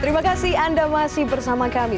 terima kasih anda masih bersama kami